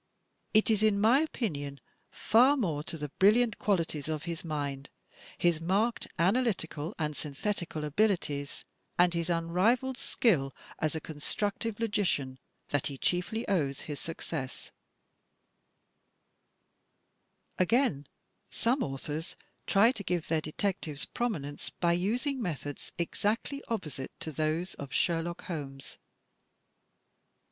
It is, in my opinion, far more to the brilliant qualities of his mind, his marked analytical and synthetical abilities, and his imrivalled skill as a constructive logician, that he chiefly owes his success. 146 THE TECHNIQUE OF THE MYSTERY STORY Again, some authors try to give their detectives prominence by using methods exactly opposite to those of Sherlock Holmes.